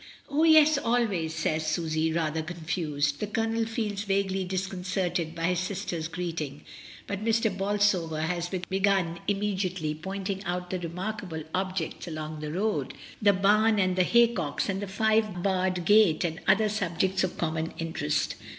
"Oh, yes, always," says Susy, rather confused. The Colonel feels vaguely disconcerted by his sister's greeting, but Mr. Bolsover has begun immediately pointing out the remarkable objects along the road, the bam and the haycocks and the five barred gate and other subjects of common interest.